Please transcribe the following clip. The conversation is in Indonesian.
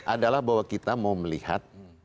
adalah bahwa kita mau melihat